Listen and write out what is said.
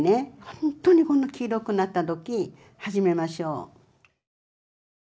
ほんっとにこんな黄色くなった時始めましょう。